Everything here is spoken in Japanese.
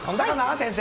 先生。